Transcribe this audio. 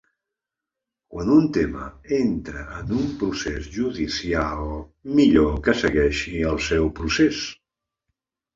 Quan un tema entra en un procés judicial, millor que segueixi el seu procés.